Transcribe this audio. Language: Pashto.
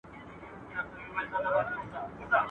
o زما مڼه په کار ده، که څه له ولي څخه وي.